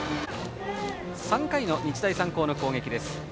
３回の日大三高の攻撃です。